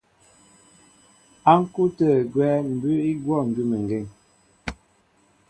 Á ŋ̀kú' tə̂ gwɛ́ mbʉ́ʉ́ í gwɔ̂ gʉ́meŋgeŋ.